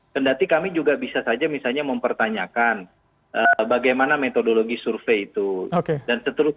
kendati kami juga bisa saja misalnya mempertanyakan bagaimana metodologi survei itu